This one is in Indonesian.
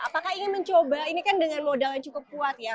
apakah ingin mencoba ini kan dengan modal yang cukup kuat ya